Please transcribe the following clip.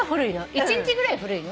１日ぐらい古いの？